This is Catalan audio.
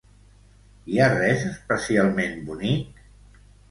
Hi ha res especialment bonic?